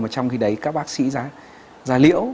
trong khi đấy các bác sĩ giá liễu